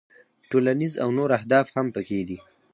ټولنیز او نور اهداف هم پکې دي.